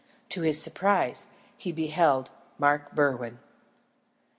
To his surprise he beheld Mark Berwin.